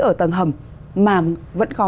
ở tầng hầm mà vẫn có